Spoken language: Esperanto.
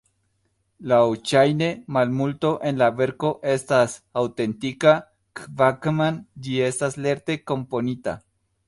Laŭŝajne, malmulto en la verko estas aŭtentika, kvankam ĝi estas lerte komponita.